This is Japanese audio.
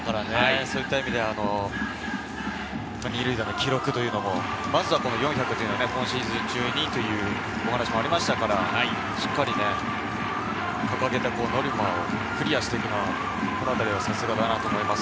そういった意味で二塁打の記録もまずは４００、今シーズン中にというお話がありましたから、しっかり掲げたノルマをクリアして、このへんはさすがだなと思います。